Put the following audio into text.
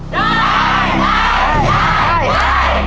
ได้เลยนะครับ